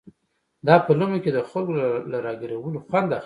دا په لومه کې د خلکو له را ګيرولو خوند اخلي.